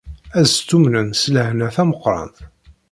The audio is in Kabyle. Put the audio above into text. Ad stummnen s lehna tameqqrant.